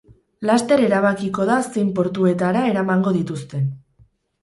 Laster erabakiko da zein portuetara eramango dituzten.